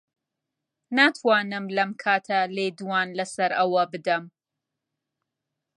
ناتوانم لەم کاتە لێدوان لەسەر ئەوە بدەم.